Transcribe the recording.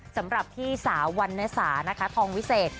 สำหรับพี่สาววันนสานะคะทองวิเศษ